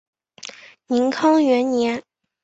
宁康元年。